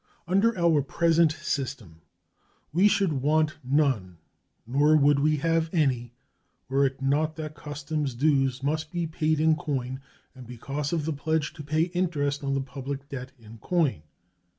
Under our present system we should want none, nor would we have any, were it not that customs dues must be paid in coin and because of the pledge to pay interest on the public debt in coin.